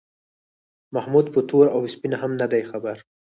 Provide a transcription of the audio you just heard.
محمود په تور او سپین هم نه دی خبر.